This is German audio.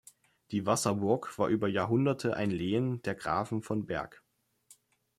Die Wasserburg war über Jahrhunderte ein Lehen der Grafen von Berg.